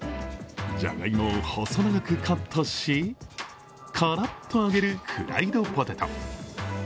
じゃがいもを細長くカットし、カラッと揚げるフライドポテト。